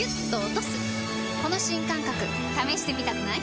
この新感覚試してみたくない？